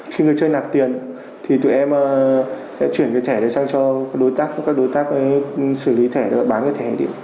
khi người chơi đạp tiền thì tụi em sẽ chuyển cái thẻ này sang cho các đối tác các đối tác xử lý thẻ và bán cái thẻ đi